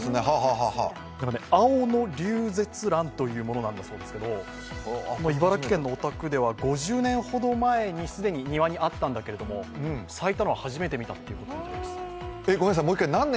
アオノリュウゼツランというものだそうなんですけど茨城県のお宅では５０年ほど前に既に庭にあったんだけれども咲いたのは初めて見たということみたいです。